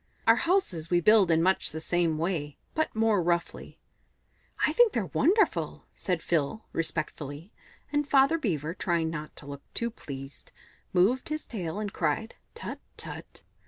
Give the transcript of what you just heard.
Our houses we build in much the same way, but more roughly." "I think they're wonderful," said Phil respectfully, and Father Beaver, trying not to look too pleased, moved his flat tail and cried "Tut, tut!"